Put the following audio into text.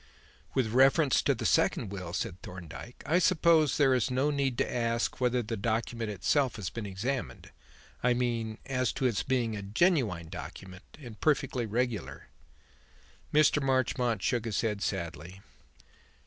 "With reference to the second will," said Thorndyke, "I suppose there is no need to ask whether the document itself has been examined; I mean as to its being a genuine document and perfectly regular?" Mr. Marchmont shook his head sadly.